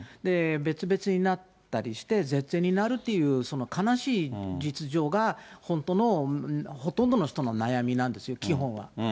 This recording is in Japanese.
別々になったりして、絶縁になるっていう悲しい実情が本当の、ほとんどの人の悩みなんですよ、基本は。